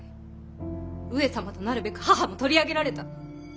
上様となるべく母も取り上げられた！